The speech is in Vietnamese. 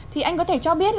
thì anh có thể cho biết